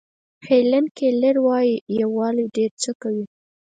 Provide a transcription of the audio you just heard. هیلن کیلر وایي یووالی ډېر څه کوي.